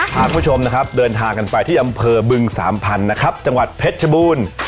พาคุณผู้ชมนะครับเดินทางกันไปที่อำเภอบึงสามพันธุ์นะครับจังหวัดเพชรชบูรณ์